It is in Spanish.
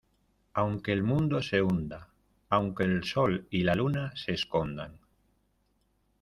aunque el mundo se hunda, aunque el Sol y la Luna se escondan